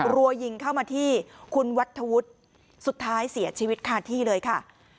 รัวยิงเข้ามาที่คุณวัฒวุฒิสุดท้ายเสียชีวิตคาที่เลยค่ะ